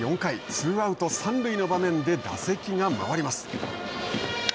ツーアウト、三塁の場面で打席が回ります。